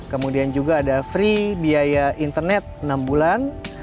kemudian juga ada free biaya internet enam bulan